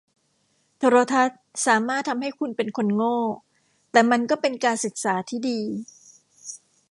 โทรทัศน์สามารถทำให้คุณเป็นคนโง่ แต่มันก็เป็นการศึกษาที่ดี